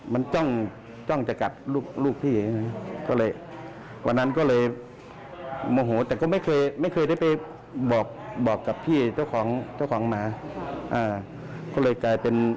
ฟังเสียงผู้ก่อเหตุกันนะคะ